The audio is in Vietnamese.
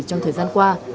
trong thời gian qua